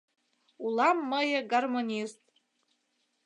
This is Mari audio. Улам мые гармонист